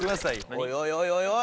おいおいおい！